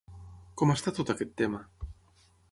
Com està tot aquest tema?